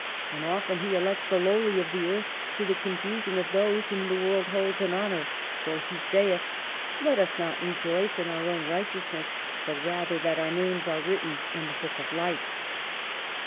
And often He elects the lowly of the earth to the confusion of those whom the world holds in honor ; for He saith : Let us not rejoice in our own righteousness, but rather that our names are written in the Book of Life."